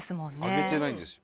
揚げてないんですよ。